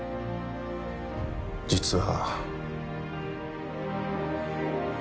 実は。